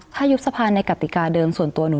ถ้ายุบสภาในกติกาเดิมส่วนตัวหนู